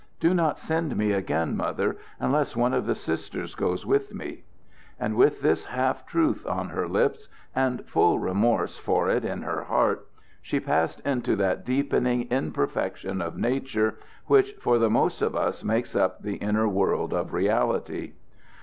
Do not send me again, Mother, unless one of the Sisters goes with me." And with this half truth on her lips and full remorse for it in her heart, she passed into that deepening imperfection of nature which for the most of us makes up the inner world of reality.